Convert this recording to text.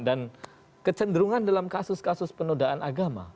dan kecenderungan dalam kasus kasus penundaan agama